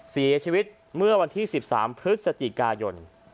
เสียชีวิตเมื่อวันที่๑๓พฤศจิกายน